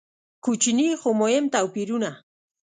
کوچني خو مهم توپیرونه.